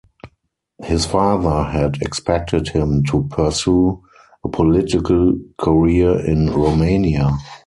His father had expected him to pursue a political career in Romania.